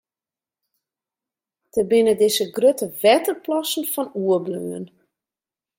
Dêr binne dizze grutte wetterplassen fan oerbleaun.